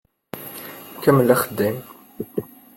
Kemmel axeddim.